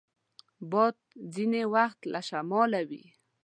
باد ځینې وخت له شماله وي